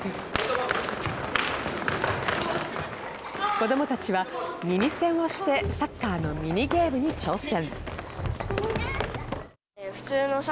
子供たちは耳栓をしてサッカーのミニゲームに挑戦。